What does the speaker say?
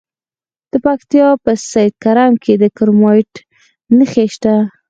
د پکتیا په سید کرم کې د کرومایټ نښې شته.